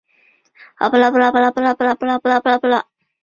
恒春半岛成立国家公园之计画在日治时期即有学者提倡。